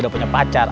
udah punya pacar